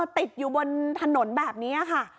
ติดอยู่บนถนนแบบนี้ค่ะ